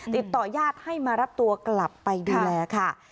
ติดต่อญาติให้มารับตัวกลับไปดูแลค่ะ